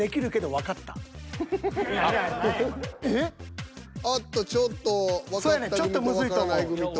これ何や今の。えっ？あっとちょっとわかった組とわからない組と。